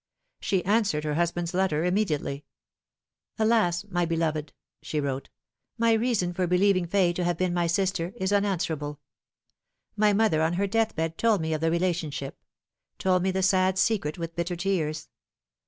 She answered her husband's letter immediately :" Alas ! my beloved," she wrote, " my reason for believing Fay to have been my sister is unanswerable. My mother on her death bed told me of the relationship ; told me the sad secret with bitter tears.